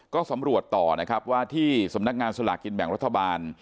ก็สำรวจต่อนะครับว่าที่สำนักงานสลากกินแบ่งรัฐบาล